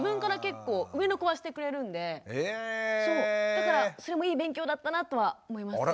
だからそれもいい勉強だったなとは思います。